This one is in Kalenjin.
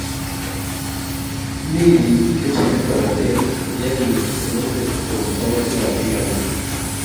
Mi biik che cheng'e toretet ye biit tyemutik kobun sautik ap bik alak